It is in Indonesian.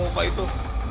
aduh apa itu